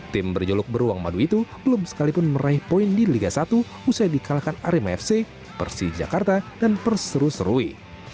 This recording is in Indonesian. tim berjuluk beruang madu itu belum sekalipun meraih poin di liga satu usai dikalahkan arema fc persija jakarta dan perseru serui